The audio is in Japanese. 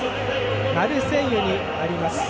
マルセイユにあります